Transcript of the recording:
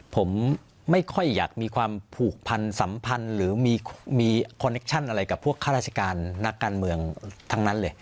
ผมไม่ค่อยอยากมีความผูกพันสัมพันธ์หรือมีคอนเคชั่นอะไรกับพวกข้าราชการนักการเมืองทั้งนั้นเลย